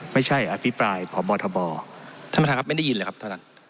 อภิปรายพบทบท่านประธานครับไม่ได้ยินเลยครับท่านท่าน